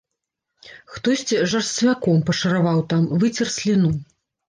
Хтосьці жарсцвяком пашараваў там, выцер сліну.